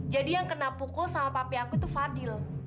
jadi yang kena pukul sama papi aku itu fadil